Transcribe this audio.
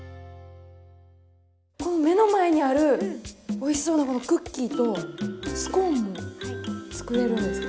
この目の前にあるおいしそうなこのクッキーとスコーンも作れるんですか？